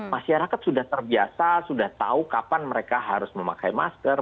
masyarakat sudah terbiasa sudah tahu kapan mereka harus memakai masker